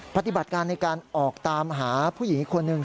ปฏิบัติการในการออกตามหาผู้หญิงอีกคนหนึ่ง